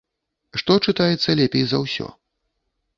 Што чытаецца лепей за ўсё?